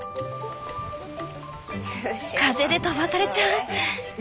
風で飛ばされちゃう！